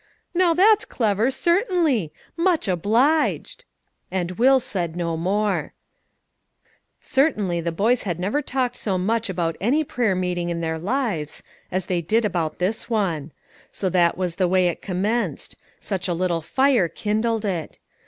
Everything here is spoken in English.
"Humph! Now, that's clever, certainly. Much obliged." And Will said no more. Certainly the boys had never talked so much about any prayer meeting in their lives as they did about this one. So that was the way it commenced; such a little fire kindled it.